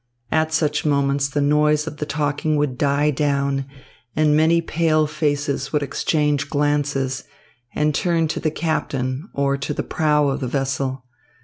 At such moments the noise of the talking would die down, and many pale faces would exchange glances and turn to the captain or to the prow of the vessel.